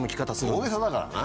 大げさだからな。